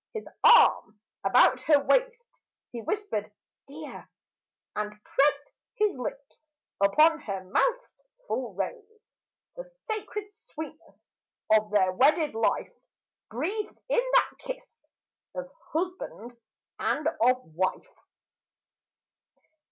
His arm about her waist, he whispered "Dear," And pressed his lips upon her mouth's full rose— The sacred sweetness of their wedded life Breathed in that kiss of husband and of wife.